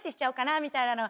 みたいなの